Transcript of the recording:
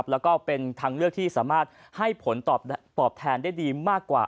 แล้วก็เป็นทางเลือกที่สามารถให้ผลตอบแทนได้ดีมากกว่า